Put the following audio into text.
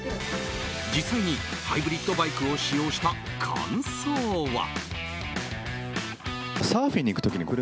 実際にハイブリッドバイクを使用した感想は。